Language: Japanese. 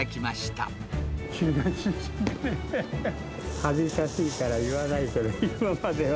恥ずかしいから言わないけど、今までは。